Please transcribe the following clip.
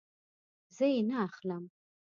زه یی نه اخلم